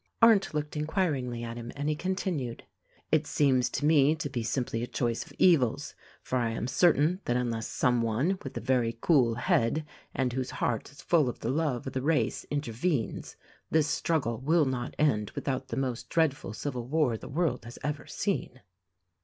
Arndt looked inquiringly at him and he continued: "It seems to me to be simply a choice of evils; for I am certain that unless some one with a very cool head and whose heart is full of the love of the race intervenes, this struggle will not end without the most dreadful civil war the world has ever seen."